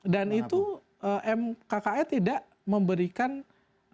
dan itu mkke tidak memberikan hukuman